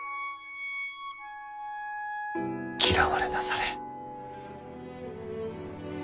嫌われなされ。